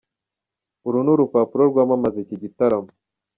Uru ni urupapuro rwamamaza iki gitaramo.